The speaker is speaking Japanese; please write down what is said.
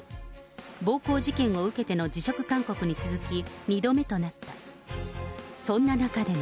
暴行事件を受けての辞職勧告に続き、２度目となった。